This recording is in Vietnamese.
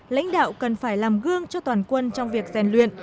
lãnh đạo cần phải làm gương cho toàn quân trong việc rèn luyện